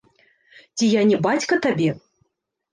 Ці я не бацька табе?